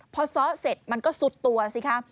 พอซ้อเสร็จมันก็ซุดตัวสิคะ